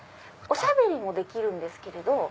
おしゃべりもできるんですけど。